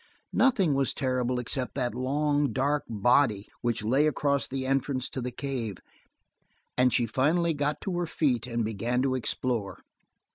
Nothing was terrible except that long, dark body which lay across the entrance to the cave, and she finally got to her feet and began to explore.